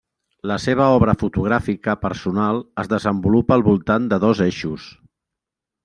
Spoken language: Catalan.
La seva obra fotogràfica personal es desenvolupa al voltant de dos eixos.